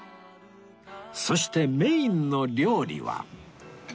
そしてメインの料理は